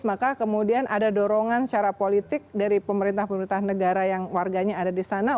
maka kemudian ada dorongan secara politik dari pemerintah pemerintah negara yang warganya ada di sana